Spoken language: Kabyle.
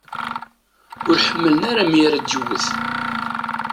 Ur ḥemmlen ara mi ara d-yewwet.